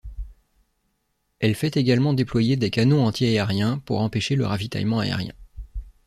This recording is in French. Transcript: Elle fait également déployer des canons anti-aériens pour empêcher le ravitaillement aérien.